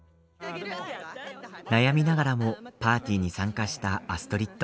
悩みながらもパーティーに参加したアストリッド。